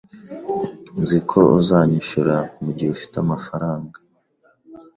Nzi ko uzanyishura mugihe ufite amafaranga